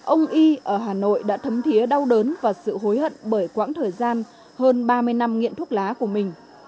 ông y ở hà nội đã thấm thiế đau đớn và sự hối hận bởi quãng thời gian hơn ba mươi năm nghiện thuốc lá của mình